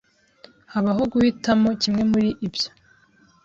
habaho guhitamo kimwe muri ibyo